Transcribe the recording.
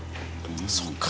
そっか。